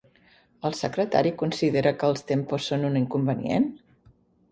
El secretariat considera que els tempos són un inconvenient?